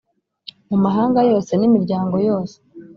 mu mahanga yose n‟imiryango yose,